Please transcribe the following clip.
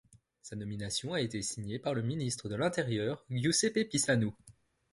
Sa nomination a été signée par le ministre de l’Intérieur Giuseppe Pisanu.